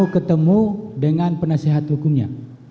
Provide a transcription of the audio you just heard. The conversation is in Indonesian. ketemu dengan penasihat hukumnya